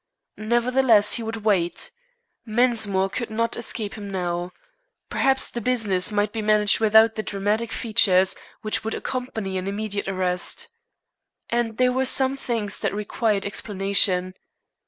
Nevertheless, he would wait. Mensmore could not escape him now. Perhaps the business might be managed without the dramatic features which would accompany an immediate arrest. And there were some things that required explanation.